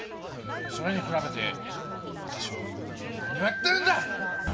それに比べて私は何をやってるんだ！